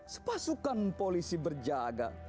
sepasukan polisi berjaga